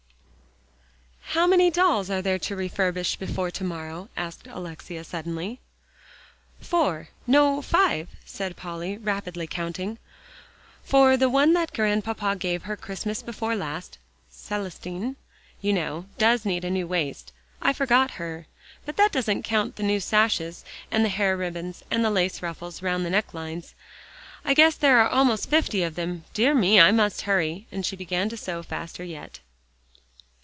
"How many dolls are there to refurbish before to morrow?" asked Alexia suddenly. "Four no, five," said Polly, rapidly counting; "for the one that Grandpapa gave her Christmas before last, Celestine, you know, does need a new waist. I forgot her. But that doesn't count the new sashes, and the hair ribbons and the lace ruffles around the necks; I guess there are almost fifty of them. Dear me, I must hurry," and she began to sew faster yet.